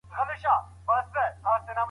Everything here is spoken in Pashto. د داسې اړیکو پایله تل ښه وي.